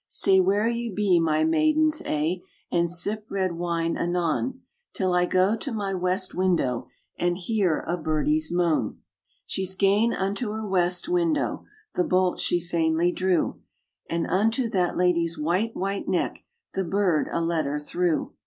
"Stay where ye be, my maidens a', And sip red wine anon, Till I go to my west window And hear a birdie's moan." She's gane unto her west window", The bolt she fainly drew; And unto that lady's white, white neck The bird a letter threw.